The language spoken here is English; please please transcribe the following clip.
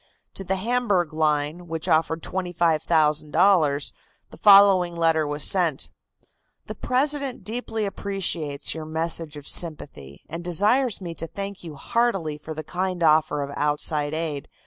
To the Hamburg Line which offered $25,000, the following letter was sent: "The President deeply appreciates your message of sympathy, and desires me to thank you heartily for the kind offer of outside aid.